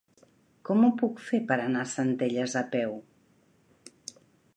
Com ho puc fer per anar a Centelles a peu?